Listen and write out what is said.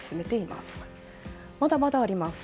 まだまだあります。